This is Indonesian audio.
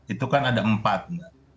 itu kan ada empat mbak